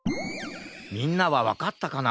みんなはわかったかな？